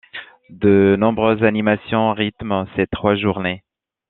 De nombreuses animations rythment ces trois journées.